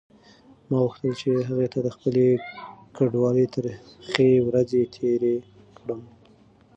ما غوښتل چې هغې ته د خپلې کډوالۍ ترخې ورځې تېرې کړم.